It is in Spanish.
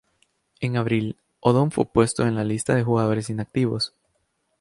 En abril, Odom fue puesto en la lista de jugadores inactivos.